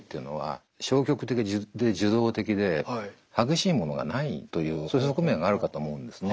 我々激しいものがないというそういう側面があるかと思うんですね。